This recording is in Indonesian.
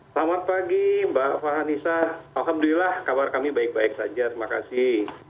selamat pagi mbak fanisa alhamdulillah kabar kami baik baik saja terima kasih